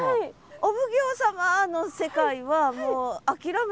お奉行様の世界はもう諦めたの？